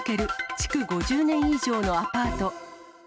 築５０年以上のアパート。